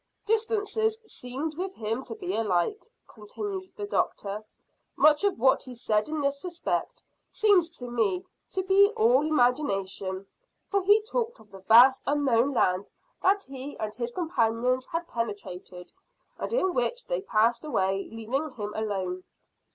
"Distances seemed with him to be alike," continued the doctor. "Much of what he said in this respect seems to me to be all imagination, for he talked of the vast unknown land that he and his companions had penetrated, and in which they passed away, leaving him alone."